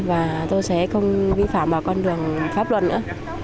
và tôi sẽ không vi phạm vào con đường pháp luận nữa